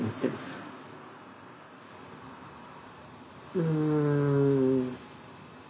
うん。